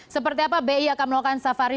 seperti apa bi akan melakukan safari